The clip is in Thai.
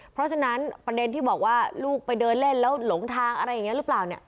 เพราะฉะนั้นประเด็นที่บอกว่าลูกไปเดินเล่นแล้วหลงทางอะไรอย่างนี้หรือเปล่าเนี่ย